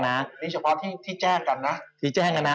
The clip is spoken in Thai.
นี่เฉพาะที่แจ้งกันนะ